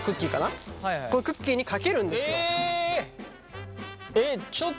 このクッキーにかけるんですよ。